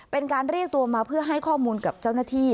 เป็นการเรียกตัวมาเพื่อให้ข้อมูลกับเจ้าหน้าที่